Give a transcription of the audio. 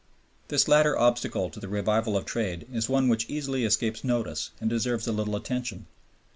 This latter obstacle to the revival of trade is one which easily escapes notice and deserves a little attention.